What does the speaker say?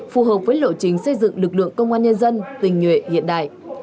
phù hợp với lộ trình xây dựng lực lượng công an nhân dân tình nhuệ hiện đại